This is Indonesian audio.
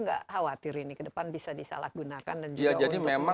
enggak khawatir ini ke depan bisa ada vaksin yang bisa di vaksin pertama ya jadi bisa melihatkan